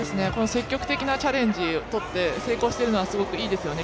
積極的なチャレンジをとって成功しているのはすごくいいですよね。